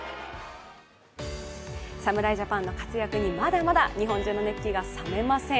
侍ジャパンの活躍に、まだまだ日本中の熱気が冷めません。